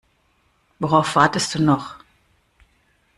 Worauf wartest du noch?